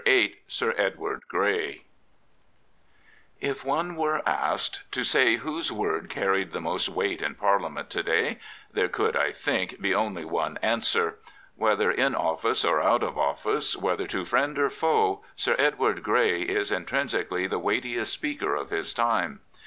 7x SIR EDWARD GREY If one were asked to say whose word carried the most weight in Parliament to day, there could, I think, be only one answer. Whether in office or out of office, whether to friend or foe. Sir Edward Grey is intrinsi cally the weightiest speaker of his time.